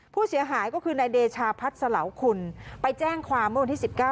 ผู้เสียหายก็คือนายเดชาพัฒน์สลาวคุณไปแจ้งความเมื่อวันที่๑๙